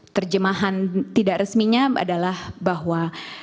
terjemahan tidak resminya adalah bahwa